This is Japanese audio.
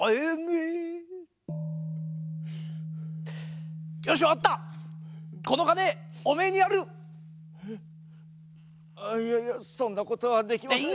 えっあっいやいやそんなことはできません。